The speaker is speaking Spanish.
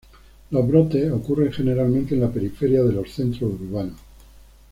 Los brotes ocurren generalmente en la periferia de los centros urbanos.